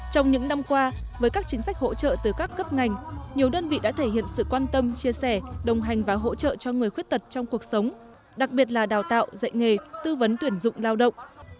trong những năm qua với các chính sách hỗ trợ từ các cấp ngành nhiều đơn vị đã thể hiện sự quan tâm chia sẻ đồng hành và hỗ trợ cho người khuyết tật trong cuộc sống đặc biệt là đào tạo dạy nghề tư vấn tuyển dụng lao động